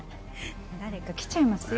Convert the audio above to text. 誰か来ちゃいますよ